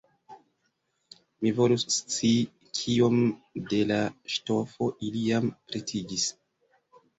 Mi volus scii, kiom de la ŝtofo ili jam pretigis!